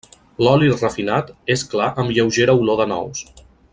L'oli refinat és clar amb lleugera olor de nous.